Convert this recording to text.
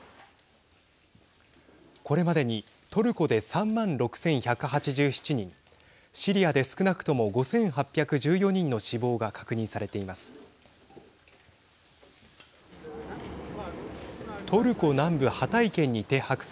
これまでにトルコで３万６１８７人シリアで少なくとも５８１４人の死亡が確認されています。